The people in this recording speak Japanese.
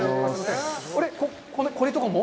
これとかも？